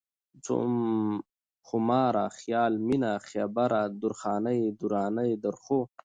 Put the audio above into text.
خوماره ، خيال مينه ، خيبره ، درخانۍ ، درانۍ ، درخو